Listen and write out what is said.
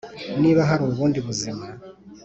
niba hari ubundi buzima,